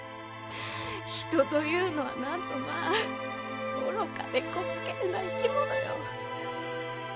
人というのはなんとまぁ愚かで滑稽な生き物よ。